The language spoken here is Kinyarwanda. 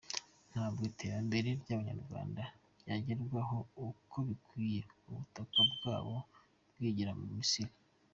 Ntabwo iterambere ry’Abanyarwanda ryagerwaho uko bikwiye ubutaka bwabo bwigira mu Misiri.